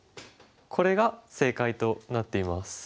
これが正解となっています。